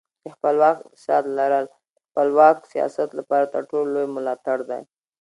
د خپلواک اقتصاد لرل د خپلواک سیاست لپاره تر ټولو لوی ملاتړ دی.